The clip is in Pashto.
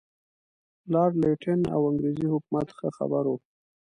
لارډ لیټن او انګریزي حکومت ښه خبر وو.